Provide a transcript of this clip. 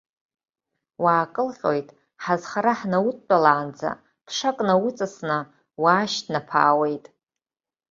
Уаакылҟьоит, ҳазхара ҳнаудтәалаанӡа, ԥшак науҵасны, уаашьҭнаԥаауеит.